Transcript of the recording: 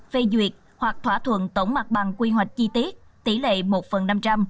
phê duyệt hoặc thỏa thuận tổng mặt bằng quy hoạch chi tiết tỷ lệ một phần năm trăm linh